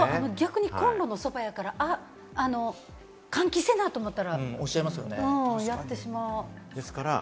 逆にコンロのそばやから換気せなと思ったら押しゃいますね。